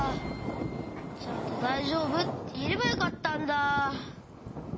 ちゃんと「だいじょうぶ？」っていえればよかったんだ。